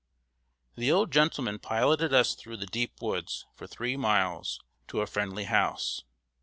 ] The old gentleman piloted us through the deep woods, for three miles, to a friendly house.